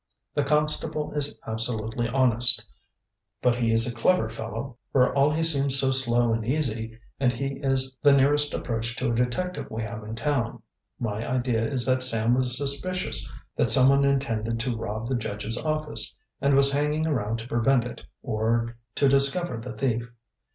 The constable is absolutely honest; but he is a clever fellow, for all he seems so slow and easy, and he is the nearest approach to a detective we have in town. My idea is that Sam was suspicious that some one intended to rob the judge's office, and was hanging around to prevent it or to discover the thief.